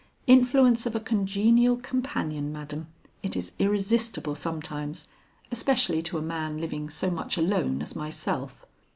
Influence of a congenial companion, madam; it is irresistible sometimes, especially to a man living so much alone as myself."